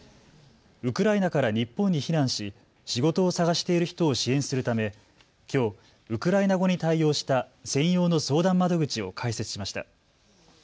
ウクライナから日本に避難し仕事を探している人を支援するため、きょうウクライナ語に対応した専用の相談窓口を開設しました。